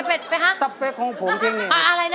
เป็นสเปคของผมเพียงนี้